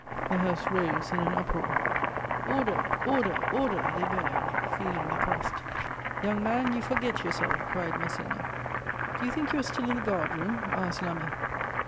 The House rose in an uproar: "Order! Order! Order!" they bellowed, feeling the thrust. "Young man, you forget yourself!" cried Masséna. "Do you think you are still in the guard room?" asked Lameth.